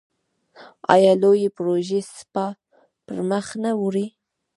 آیا لویې پروژې سپاه پرمخ نه وړي؟